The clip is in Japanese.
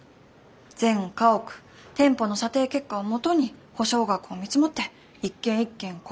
全家屋店舗の査定結果をもとに保証額を見積もって一軒一軒交渉に行く。